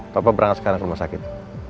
bapak berangkat sekarang ke rumah sakit